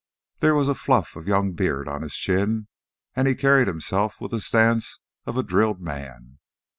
There was a fluff of young beard on his chin, and he carried himself with the stance of a drilled man.